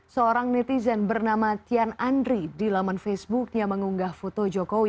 seorang netizen bernama tian andri di laman facebooknya mengunggah foto jokowi